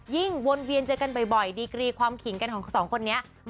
วนเวียนเจอกันบ่อยดีกรีความขิงกันของสองคนนี้